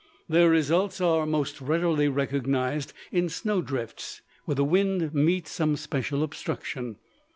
Their results are most readily recognized in snow drifts, where the wind meets some special obstruction.